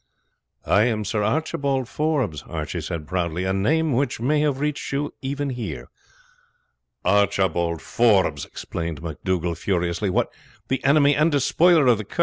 "I am Sir Archibald Forbes," Archie said proudly "a name which may have reached you even here." "Archibald Forbes!" exclaimed MacDougall furiously. "What! the enemy and despoiler of the Kerrs!